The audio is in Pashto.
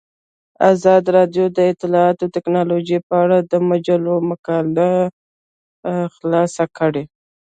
ازادي راډیو د اطلاعاتی تکنالوژي په اړه د مجلو مقالو خلاصه کړې.